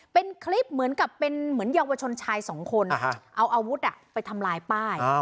เป็นคลิปเหมือนกับเป็นเหมือนเยาวชนชายสองคนเอาอาวุธไปทำลายป้าย